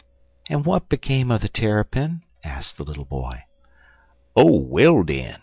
"And what became of the Terrapin?" asked the little boy. "Oh, well den!"